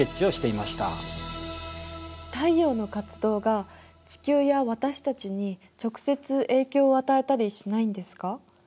太陽の活動が地球や私たちに直接影響を与えたりしないんですか？